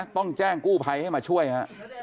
ต้องแจ้งกู้ภัยให้มาช่วยฮะ